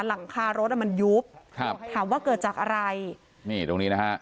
หลังคารถอ่ะมันยุบครับถามว่าเกิดจากอะไรนี่ตรงนี้นะฮะ